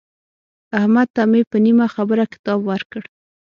احمد ته مې په نیمه خبره کتاب ورکړ.